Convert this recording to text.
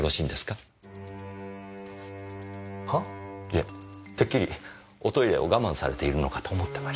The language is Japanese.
いやてっきりおトイレを我慢されているのかと思ってました。